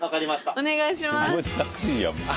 お願いします。